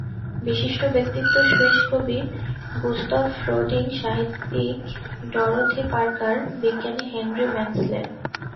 বিশিষ্ট ব্যক্তিত্ব—সুইস কবি গুস্তভ ফ্রোডিং, সাহিত্যিক ডরোথি পার্কার, বিজ্ঞানী হেনরি মেন্সলে।